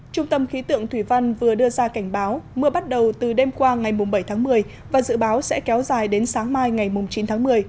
trung tâm khí tượng thủy văn vừa đưa ra cảnh báo mưa bắt đầu từ đêm qua ngày bảy tháng một mươi và dự báo sẽ kéo dài đến sáng mai ngày chín tháng một mươi